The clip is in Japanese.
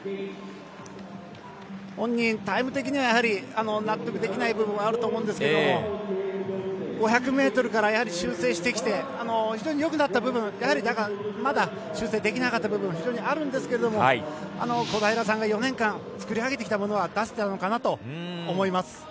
本人、タイム的には納得できない部分はあると思うんですけど５００ｍから修正してきて非常に良くなった部分もまだ修正できなかった部分も非常にあるんですけども小平さんが４年間作り上げてきたものは出せたのかなと思います。